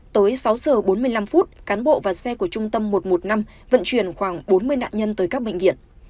tới sáu giờ bốn mươi năm phút cán bộ và xe của trung tâm một trăm một mươi năm vận chuyển khoảng bốn mươi nạn nhân tới các bệnh viện